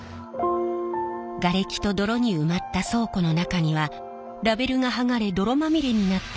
がれきと泥に埋まった倉庫の中にはラベルが剥がれ泥まみれになった